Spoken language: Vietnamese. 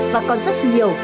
và còn rất nhiều